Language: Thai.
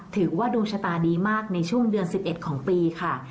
ถือว่าดวงชะตาดีมากในช่วงเดือน๑๑ของปีค่ะ